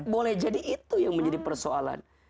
boleh jadi itu yang menjadi persoalan